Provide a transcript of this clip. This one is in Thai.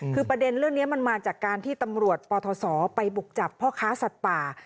คือประเด็นเรื่องนี้มันมาจากการที่ตำรวจปทศไปบุกจับพ่อค้าสัตว์ป่า